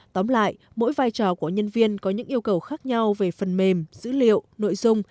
tóm lại mỗi vai trò của nhân viên có những yêu cầu khác nhau về phần mềm dữ liệu nội dung